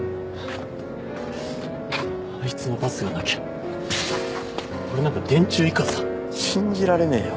あいつのパスがなきゃ俺なんか電柱以下さ信じられねえよ